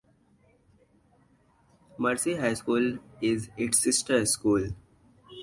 Mercy High School is its sister school.